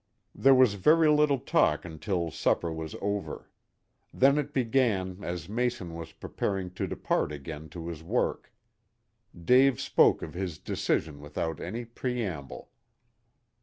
There was very little talk until supper was over. Then it began as Mason was preparing to depart again to his work. Dave spoke of his decision without any preamble.